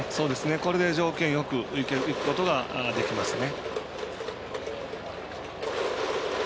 これで条件よくいくことができますね。